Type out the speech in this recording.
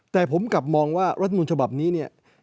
แต่ผมกลับมองว่ารัฐมนต์ฉบับนี้เนี่ย